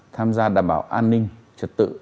tham gia đảm bảo an ninh trật tự